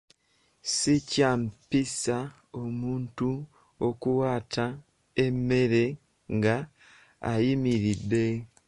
Si kya mpisa omuntu okuwaata emmere nga ayimiridde.